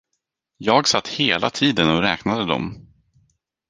Jag satt hela tiden och räknade dom.